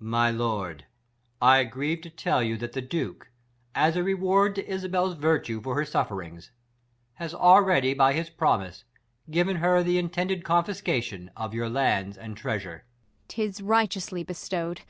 My lord, I grieve to tell you, that the Duke, As a reward to Isabella's virtue for Her suff rings, has already, by his jiromise, Given her th' intended confiscation of Your lands and treasure. Ang. 'Tis righteously bestow'd.